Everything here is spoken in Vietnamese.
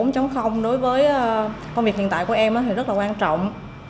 đối với công việc hiện tại của em thì rất là quan trọng